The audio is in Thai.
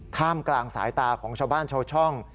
ท่ามกลางสายตาของชาวบ้านชาวช่อง